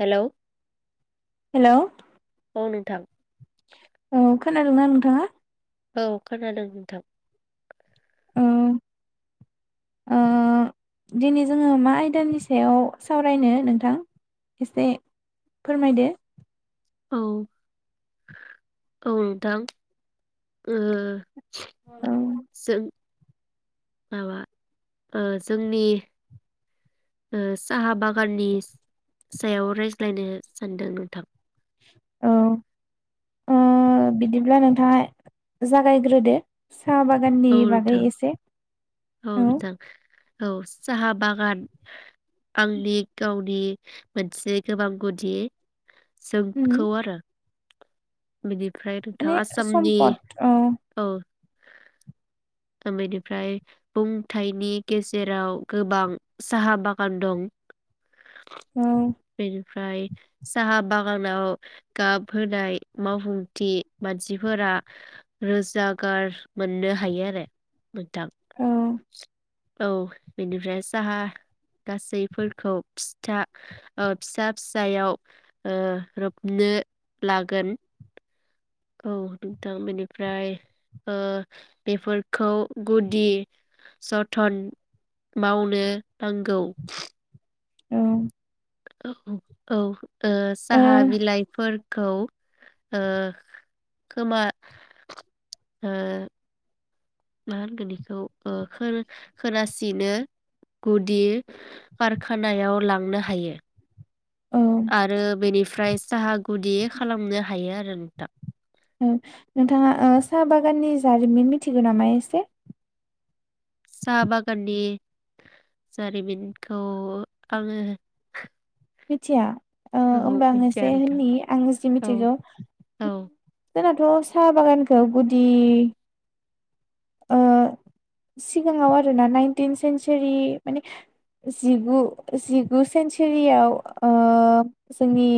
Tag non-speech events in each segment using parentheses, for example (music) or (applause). Hello hello औ नोंथां औ। खोनादोंना नोंथाङा। औ खोनादों नोंथां। ओ ओ दिनै जोङो मा आयदानि सायाव सावरायनो नोंथां एसे फोरमायदो। औ औ नोंथां ओ औ जों माबा ओ जोंनि ओ साहा बागाननि सायाव रायज्लायनो सानदों नोंथां। औ ओ बिदिब्ला नोंथाङा जागायग्रोदो साहा बागाननि औ बागै नोंथां एसे औ। औ साहा बागान आंनि गावनि मोनसे गोबां गुदि उम जोंखौ आरो बिदि माने सम्पद औ बेनिफ्राय बुंथायनि गेजेराव गोबां साहा बागान दं। औ। ओमफ्राय साहा बागानाव गाब होनाय मावफुंथि मानसिफोरा रोजागार मोननो हायो आरो नोंथां। औ औ बेनिफ्राय साहा गासैफोरखौ फिथा फिसा फिसायाव ओ रोबनो लागोन औ नोंथां बेनिफ्राय ओ बेफोरखौ गुदि जथन मावनो नांगौ। औ औ औ ओ औ साहा बिलाइफोर खौ ओ खोमा ओ मा होनगोन इखौ ओ खो-खोनासिनो गुदि कारखानायाव लांनो हायो। आरो बेनिफ्रायस साहा गुदि खालामनो हायो आरो नोंथां। उम नोंथाङा ओ साहा बागाननि जारिमिन मिथिगौ नामा एसे साहा बागाननि जारिमिनखौ आङो मिथिया ओ औ होमबा आं मिथिया एसे नोंथां होननि आं जि औ मिथिगौ। औ जोंनाथ' साहा बागानखौ गुदि ओ सिगाङाव आरोना नाइनटिन सेन्सुरि माने जिगु जिगु सेन्सुरियाव ओ जोंनि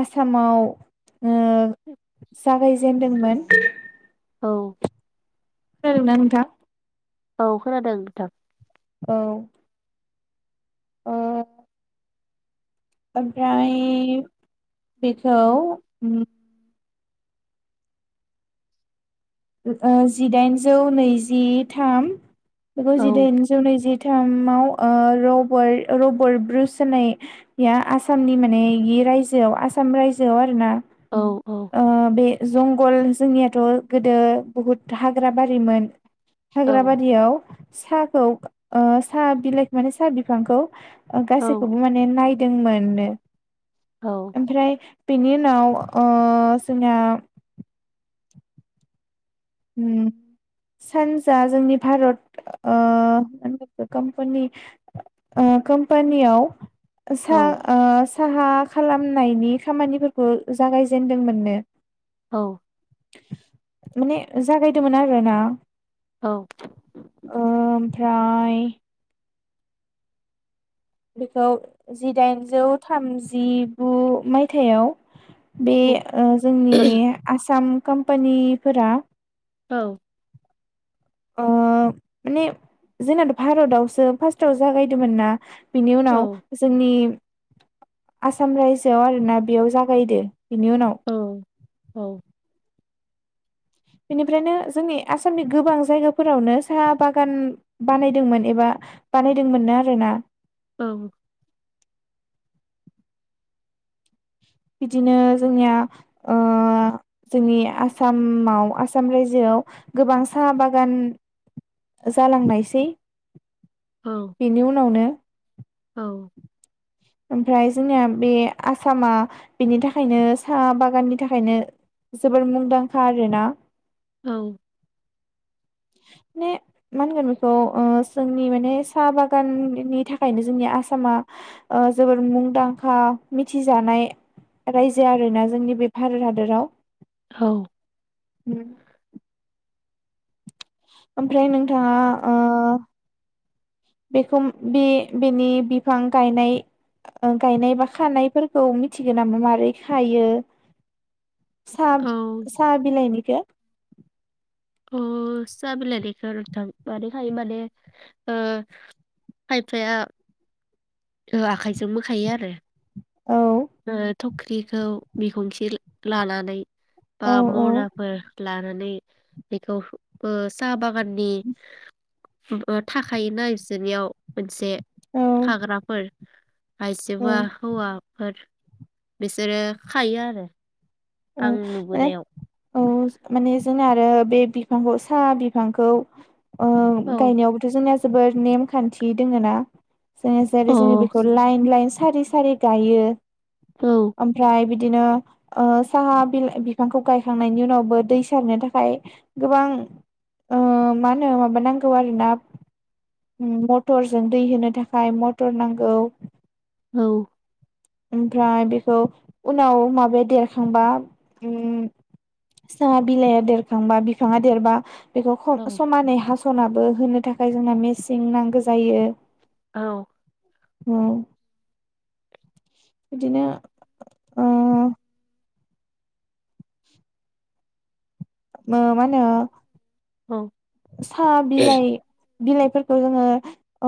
आसामाव उम जागायजेनदोंमोन। औ खोनादोंना नोंथां? औ खोनादों नोंथां। औ ओ ओमफ्राय बेखौ उम ओ जिदाइनजौ नैजि थाम बेगौ औ जिदाइनजौ नैजिब थामाव ओ रबोर रबोट ब्रुस होननाया आसामनि माने रायजोआव आसाम रायजोआव आरोना? औ औ ओ बे जंगल जोंनियाथ' गोदो बहुत हाग्रा बारिमोन। औ हाग्राबारियाव साहाखौ ओ साहा बिलाइखौ माने साहा बिफांखौ ओ औ गासैखौबो माने नायद जों मोननो औ ओमफ्राय बेनि उनाव ओ जोंना उम सानजा जोंनि भारत ओ मा होनगोन बेखो कम्पानि ओ कम्पानियाव औ सा ओ साहा खालामनायनि खामानिफोरखौ जागायजेेनदोंमोननो औ माने जागायदोंमोन आरो ना औ फ्राय बेखौ जिदाइनजौ थामजिगु मायथाइआव बे औ ओ जोंनि आसाम कम्पानिफोरा। औ। ओ माने जोंनाथ' भारतआवसो फार्स्टआव जागायदोंमोन ना? बिनि उनाव जोंनि आसाम रायजोआव आरोना बेयाव जागायदो। बिनि उनाव औ बेनिफ्रायनो जोंनि आसामनि गोबां जायगाफोरावनो साहा बागान बानायदोंमोन एबा बानायदोंमोननो आरोना। औ। बिदिनो जोंनिया ओ जोंनि आसामाव आसाम रायजोआव गोबां साहा बागान जालांनायसै। औ बेनि उनावनो। औ। ओमफ्राय जोंनिया बे आसामा बेनि थाखायनो साहा बागाननि थाखायनो जोबोर मुंदांखा आरोना। औ। मे मा होनगोन बेखौ ओ जोंनि माने साहा बागाननि थाखायनो जोंनि आसामा ओ जोबोर मुंदांखा मिथिजानाय रायजो आरोना जोंनि बे भारत हादराव। हौ। उम। ओमफ्राय नोंथाङा ओ बेखौ बे बेनि बिफां गायनाय गायनाय बा खानायफोरखौ मिथिगौ नामा मारै खायो। सा औ साहा बिलाइनिखौ। ओ बिलायनायखौ नोंथां मादखायो माने ओ खायफाया आखाइजों बोखायो आरो। औ ओद थख्रिखौ बिखुनसे लानानै बा औ मराफोर ला नानै बेखौ साहा बागाननि थाखायोना बिसोरनियाव मोनसे हाग्राफोर। औ आइजोबो हौवाफोर। बिसोरो खायो आरो। आं औ नुबोनायाव माने औ जोंना आरो। बे बिफांखौ साहा बिफांखौ औ गायनायावबोथ' जोंनिया जोबोर नेमखान्थि दोङ ना। जों औ जे बेखौ लाइन लाइ स सारि सारि गायो। औ ओमफ्राय बिद बिदिनो ओ साहा बिलाइ बिफांखौ गायखांनायनि उनावबो दै सारनो थाखाय गोबां ओमा होनो माबा नांगौ आरोना। मटरजों दै होनो थाखाय मटर नांगौ। औ। ओमफ्राय बेखौ उनाव माबाया देरखांबा उम साहा बिलाइआ देरखांबा बिफाङा देरबा बेखौ ख औ समानै हास थ नाबो होनो थाखाय जोंना मेस सिं नांगौ जायो औ उम बिदिनो ओ मो मानो औ साहा बिलाइ बिलाइफोरखौ जोंङो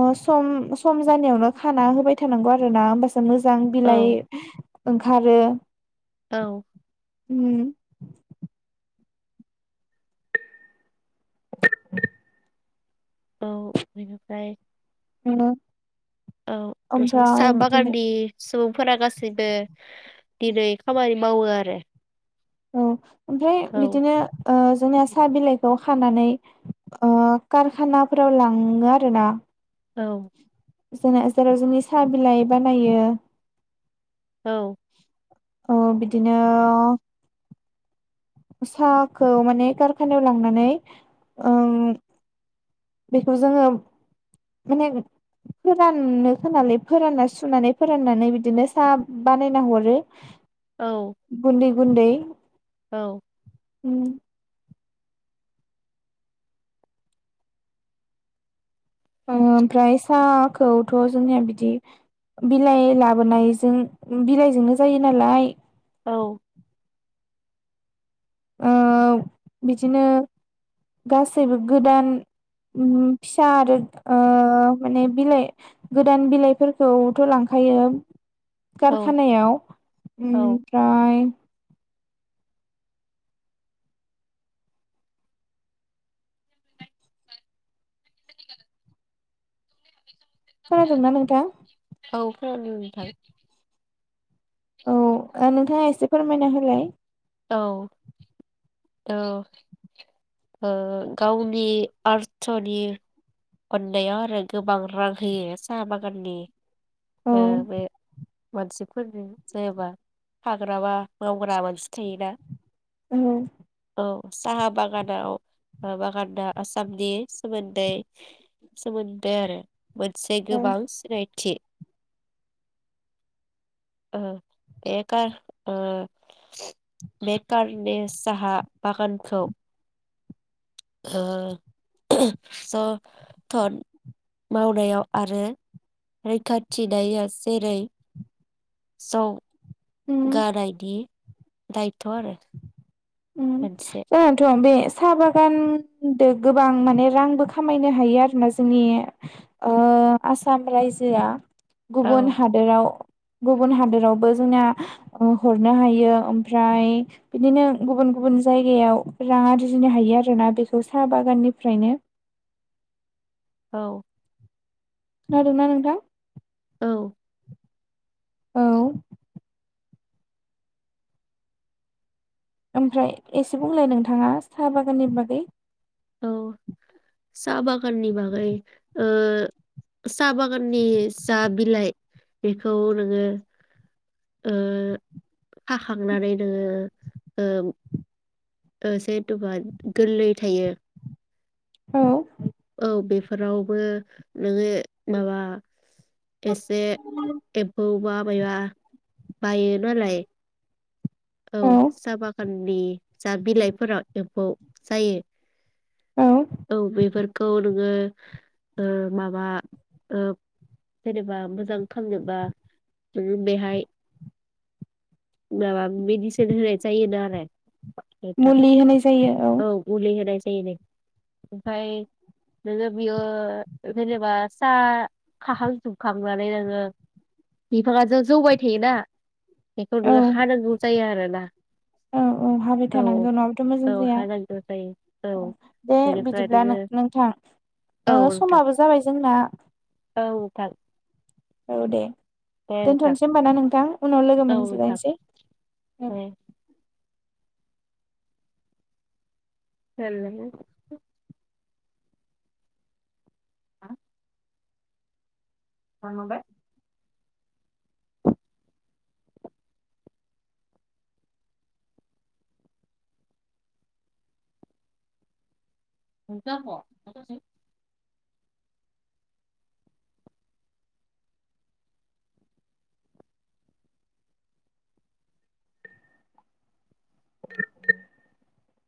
उह सम-सम जानायावनो खाना होबाय थानांगौ आरो ना होमबास मोजां बिलाइ औ ओंखारो औ उम (inaudible) औ बिनिफ्राय ओ औ दरसम सा ओमफ्राय बिदिनो बागानि सुब फोरा गासैबो दिनै खामानि मावो आरो। औ ओमफ्राय औ बिदिनो उह जोंनिया साहा बिलाइखौ खानानै उह कारखानाफोराव लांङो आरो ना। औ जोंना जेराव जोंनि साहा बिलाइ बानायो औ औ बिदिनो साहाखौ माने कारखानायाव लांनानै ओम बेखौ जोंङो माने फोराननो होनानै फोरानना सुनानै फोराननानै बिदिनो साहा बानायना हरो। औ गुन्दै गुन्दै औ उम उह ओमफ्राय साहाखौथ जोंनिया बिदि बिलाइ लाबोनायजों बिलाइजोंनो जायो नालाय औ उह बिदिनो गासैबो गोदान उम फिसा आरो उह माने बिलाइ गोदान बिलाइफोरखौथ लांखायो औ कारखानायाव औ ओमफ्राय खनाादोंं ना नोंथां? औ खोनादों नोंथां औ ओ नोंथाङा एसे फोरमायना होलाय औ औ उह गावनि आरथनि अननायाव आरो गोबां रां होयो साहा बागाननि औ ओ बे मानसिफोरजों जायाबा हाग्रा बा मावग्रा मानसि थायोना औ अ साहा बागान। याव माबा गानदा आसामनि सोमोन्दै सोमोन्दो आरो मोनसे औ गोबां सिनायथि। ओ एकार ओ बेखारनि साहा बागानखौ ओ जन तन मावनायाव आरो रैखाथिनाया जेरै स उम गारायदि दायथ' आरो उ मोनसे जायाथ' बे साहा बागानदो गोबां माने रांबो खामायनो हायो आरोना जोंनि ओ आसाम रायजोआ। औ गुबुन हादोराव। गुबुन हादोरावबो जोंना हरनो हायो ओमफ्राय बिदिनो गुबुन गुबुन जायगायाव रां आरजिनो हायो आरोना बेखौ साहा बागाननिफ्रायनो। औ खोनादों ना नोंथां? औ औ ओमफ्राय एसे बुंलाय नोंथाङा साहा बागाननि बागै। औ (inaudible) साहा बागाननि बागै ओ साहा बागाननि साह बिलाइ बेखौ नोङो ओ हाखांनानै नोङो ओम ओ जेहेथुबा गोरलै थायो। औ फोरावबो नोङो माबा एसे एबौबाब बाया बायो नालाय औ साहा बागान नि जा बिलाइफोराव एम्फौ जायो। औ औ बेफोरखौ नोङो ओ माबा ओ जेनेबा मोजां खालामनोबा बेहाय माबा मेडिसिन होनाय जायोनो आरो नोंथां मुलि होनाय जायो। औ गुलि होनाय जायो नो ओमफाय नोङो बियो जेनेबा साहा खाखांजोबखांनानै नोङो बिफाङाथ' जौबाय थायोना? बेखौ औ नोङो हानांगौ जायो आरो (unintelligible) औ औ हाबाय थानांगौ नाङाबाथ' औ मोजां हानांगौ जायो औ (unintelligible) दे बेनिफ्राय बिदिब्ला नोङो नो नोंथां औ ओ नोंथां समाबो जाबाय जोंना औ नोंथां औ दे दे नोंथां दोनथ'नोसै होमबा ना नोंथां उनाव लोगो औ नोंथां मोनज्लायसै ओं दे (unintelligible) हा आंनाव दे (unintelligible)